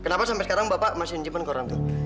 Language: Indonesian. kenapa sampai sekarang bapak masih menjimpun koran itu